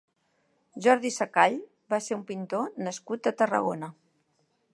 Jordi Secall va ser un pintor nascut a Tarragona.